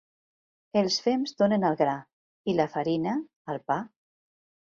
Els fems donen el gra i la farina, el pa.